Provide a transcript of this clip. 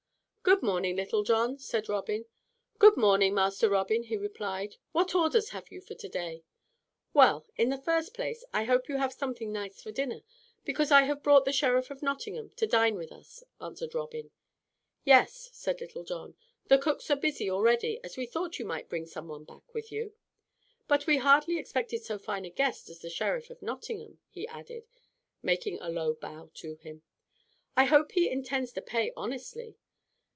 "Good morning, Little John," said Robin. "Good morning, Master Robin," he replied. "What orders have you for to day?" "Well, in the first place I hope you have something nice for dinner, because I have brought the Sheriff of Nottingham to dine with us," answered Robin. "Yes," said Little John, "the cooks are busy already as we thought you might bring some one back with you. But we hardly expected so fine a guest as the Sheriff of Nottingham," he added, making a low bow to him. "I hope he intends to pay honestly."